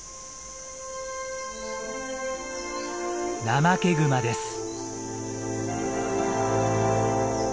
ナマケグマです。